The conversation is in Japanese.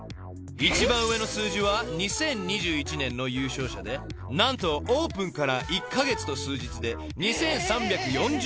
［一番上の数字は２０２１年の優勝者で何とオープンから１カ月と数日で２，３４０万円］